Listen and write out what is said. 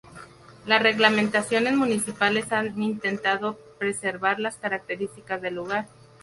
La reglamentaciones municipales han intentado preservar las características del lugar.